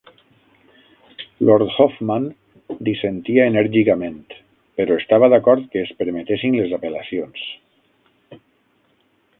Lord Hoffmann dissentia enèrgicament, però estava d'acord que es permetessin les apel·lacions.